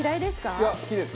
いや好きです。